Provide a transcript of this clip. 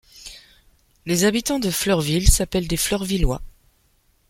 Les habitants de Fleurville s'appellent les Fleurvillois.